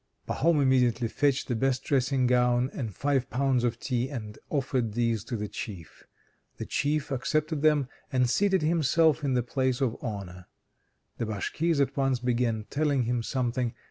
Pahom immediately fetched the best dressing gown and five pounds of tea, and offered these to the Chief. The Chief accepted them, and seated himself in the place of honour. The Bashkirs at once began telling him something.